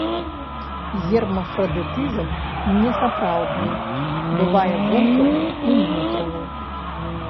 Гермафрадытызм несапраўдны бывае вонкавы і ўнутраны.